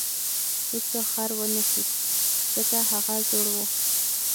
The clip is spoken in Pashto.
هیچا خر ونه خیست ځکه هغه زوړ و.